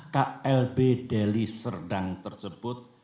klb delhi serdang tersebut